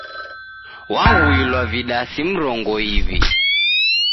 Waghuilwa vidasi mrongo iw'i.